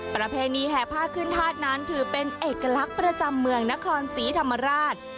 ประเพณีแห่ผ้าขึ้นธาตุนั้นถือเป็นเอกลักษณ์ประจำเมืองนครศรีธรรมราช